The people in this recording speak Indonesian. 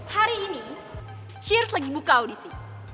hari ini shirs lagi buka audisi